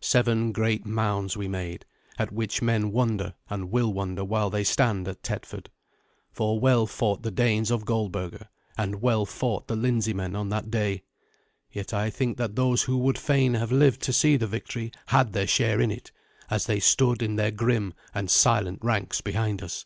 Seven great mounds we made, at which men wonder and will wonder while they stand at Tetford. For well fought the Danes of Goldberga, and well fought the Lindseymen on that day. Yet I think that those who would fain have lived to see the victory had their share in it, as they stood in their grim and silent ranks behind us.